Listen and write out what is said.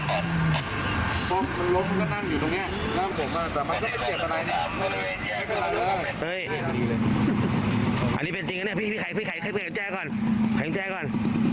อันนี้เป็นจริงอ่ะเนี่ยพี่ไข่แข่งแจ้ก่อนแข่งแจ้ก่อน